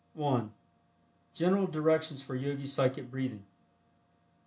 (1) GENERAL DIRECTIONS FOR YOGI PSYCHIC BREATHING.